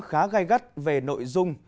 khá gai gắt về nội dung